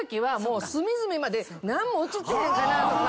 何も写ってへんかな？とか。